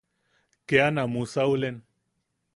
Kea na musaulen.